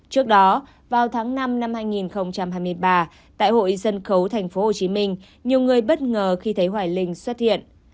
trước đó vào tháng năm năm hai nghìn hai mươi ba tại hội sân khấu tp hcm nhiều người bất ngờ khi thấy hoài linh xuất hiện